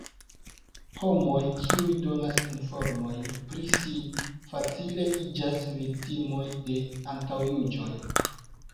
Homoj, kiuj donas informojn pri si, facile iĝas viktimoj de antaŭjuĝoj.